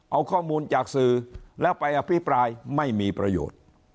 เอาข้อมูลจากสื่อแล้วไปอภิปรายไม่มีประโยชน์